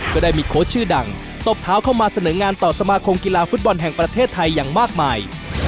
ก็ได้มีโค้ชชื่อดังตบเท้าเข้ามาเสนองานต่อสมาคมกีฬาฟุตบอลแห่งประเทศไทยอย่างมากมาย